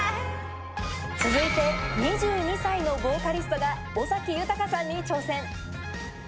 続いて２２歳のヴォーカリストが尾崎豊さんに挑戦。